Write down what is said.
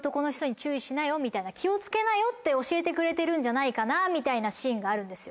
気を付けなよって教えてくれてるんじゃないかなみたいなシーンがあるんですよ。